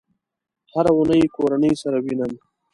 هره اونۍ کورنۍ سره وینم